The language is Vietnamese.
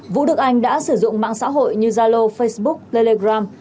vũ đức anh đã sử dụng mạng xã hội như zalo facebook telegram